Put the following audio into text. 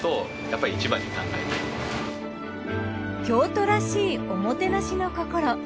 京都らしいおもてなしの心。